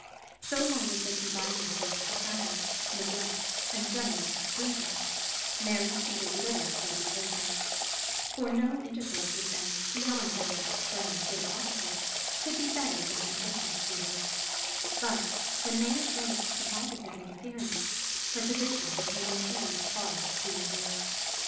So long as they confined themselves to silence, neglect, and general exclusion, Mary heeded little their behavior, for no intercourse with them, beyond that of external good offices, could be better than indifferent to her; but, when they advanced to positive interference, her position became indeed hard to endure.